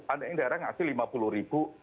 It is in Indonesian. ada yang daerah ngasih lima puluh ribu